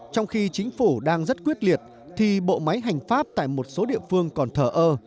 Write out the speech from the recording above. trong khi chính phủ đang rất quyết liệt thì bộ máy hành pháp tại một số địa phương còn thở ơ